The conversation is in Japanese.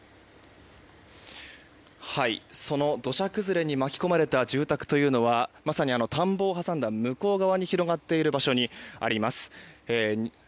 その土砂崩れに巻き込まれた住宅というのはまさに田んぼを挟んだ向こう側に広がっている場所にあります。